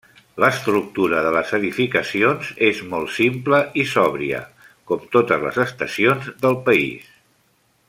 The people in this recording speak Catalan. L'estructura de les edificacions és molt simple i sòbria, com totes les estacions del país.